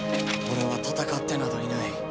俺は戦ってなどいない。